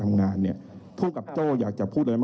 ทำไมเราถึงไม่ทำข้อที่จริงนี้ให้มันถูกต้องล่ะคะ